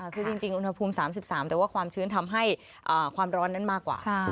คือจริงอุณหภูมิ๓๓แต่ว่าความชื้นทำให้ความร้อนนั้นมากกว่า